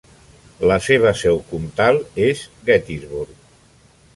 La seva seu comtal és Gettysburg.